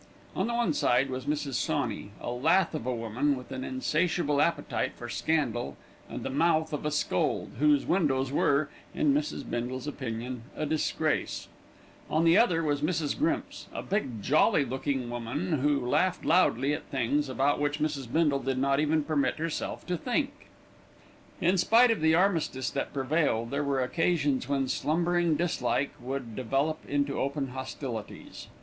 On the one side was Mrs. Sawney, a lath of a woman with an insatiable appetite for scandal and the mouth of a scold, whose windows were, in Mrs. Bindle's opinion, a disgrace; on the other was Mrs. Grimps, a big, jolly looking woman, who laughed loudly at things, about which Mrs. Bindle did not even permit herself to think. In spite of the armistice that prevailed, there were occasions when slumbering dislike would develop into open hostilities.